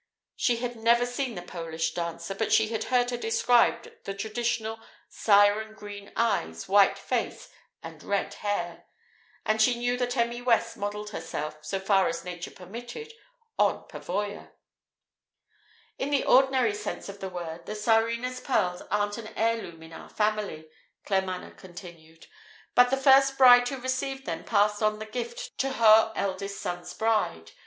She had never seen the Polish dancer, but she had heard her described: the traditional "siren green" eyes, white face, and red hair. And she knew that Emmy West modelled herself, so far as Nature permitted, on Pavoya. "In the ordinary sense of the word, the Tsarina pearls aren't an heirloom in our family," Claremanagh continued. "But the first bride who received them passed on the gift to her eldest son's bride.